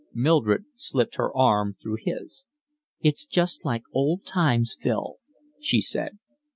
Mildred slipped her arm through his. "It's just like old times, Phil," she said.